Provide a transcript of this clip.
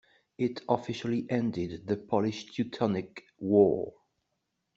It officially ended the Polish-Teutonic War.